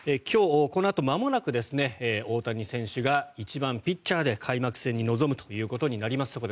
今日、このあとまもなく大谷選手が１番ピッチャーで開幕戦に臨むということになります。